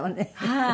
はい。